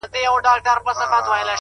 زه خو د وخت د بـلاگـانـــو اشـنا~